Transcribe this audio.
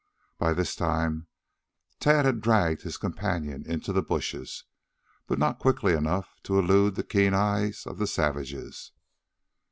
By this time Tad had dragged his companion into the bushes but not quickly enough to elude the keen eyes of the savages.